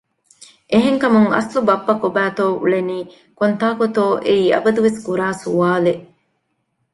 އެހެންކަމުން އަސްލު ބައްޕަ ކޮބައިތޯ އުޅެނީ ކޮންތާކުތޯ އެއީ އަބަދުވެސް ކުރާސުވާލެއް